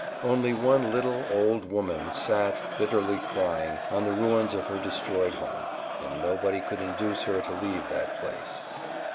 Only one little, old woman sat, bitterly crying, on the ruins of her destroyed home, and nobody could induce her to leave that place.